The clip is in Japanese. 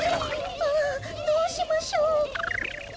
ああどうしましょう。